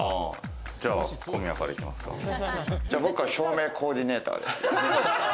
じゃあ僕は照明コーディネーターで。